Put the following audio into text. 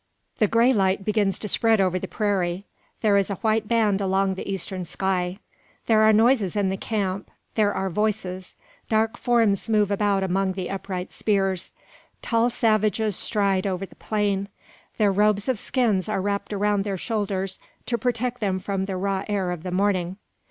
The grey light begins to spread over the prairie. There is a white band along the eastern sky. There are noises in the camp. There are voices. Dark forms move about among the upright spears. Tall savages stride over the plain. Their robes of skins are wrapped around their shoulders to protect them from the raw air of the morning.